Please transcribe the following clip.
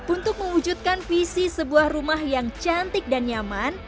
untuk mewujudkan visi sebuah rumah yang cantik dan nyaman